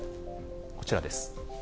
こちらです。